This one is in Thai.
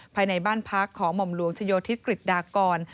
ภายในบ้านพักของหม่อมหลวงชโยธิศกฤษดากร